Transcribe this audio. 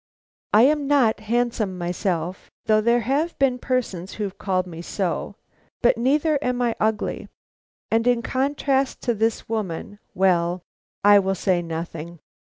I am not handsome myself, though there have been persons who have called me so, but neither am I ugly, and in contrast to this woman well, I will say nothing.